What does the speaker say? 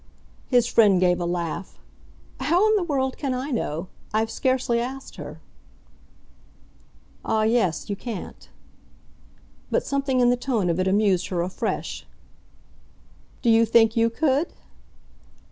His friend gave a laugh. "How in the world can I know? I've scarcely asked her." "Ah yes. You can't." But something in the tone of it amused her afresh. "Do you think you could?"